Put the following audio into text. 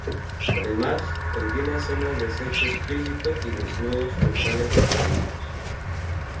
Además, contiene escenas de sexo explícito y desnudos frontales masculinos.